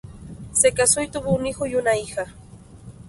Se casó y tuvo un hijo y una hija.